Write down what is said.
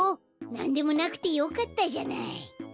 なんでもなくてよかったじゃない。